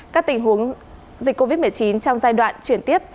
các tình huống dịch covid một mươi chín trong giai đoạn chuyển tiếp